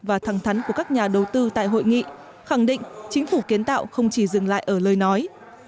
và thẳng thắn của các nhà đầu tư tại hội nghị khẳng định chính phủ kiến tạo không chỉ dừng lại ở lời nói